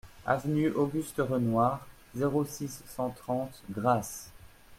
Avenue Auguste Renoir, zéro six, cent trente Grasse